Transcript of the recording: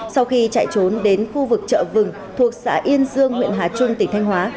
sau khi chạy trốn đến khu vực chợ vừng thuộc xã yên dương huyện hà trung tỉnh thanh hóa